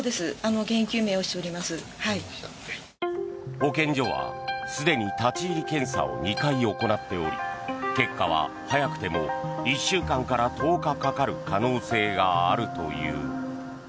保健所はすでに立ち入り検査を２回行っており結果は早くても１週間から１０日かかる可能性があるという。